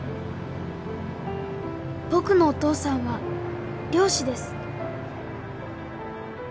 「僕のお父さんは漁師です」